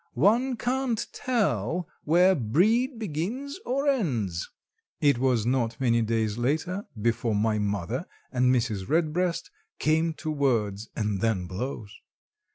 One can't tell where breed begins or ends." It was not many days later, before my mother and Mrs. Redbreast came to words and then blows.